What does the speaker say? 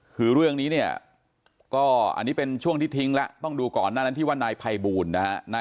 คือเรื่องนี้เนี่ยก็อันนี้เป็นช่วงที่ทิ้งแล้วต้องดูก่อนหน้านั้นที่ว่านายภัยบูลนะฮะ